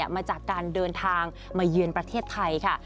มาจากการเดินทางมาเยือนประเทศไทยค่ะ